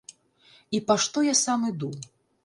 І па што я сам іду?